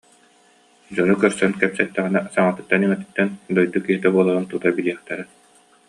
Дьону көрсөн кэпсэттэҕинэ саҥатыттан-иҥэтиттэн дойду киһитэ буоларын тута билиэхтэрэ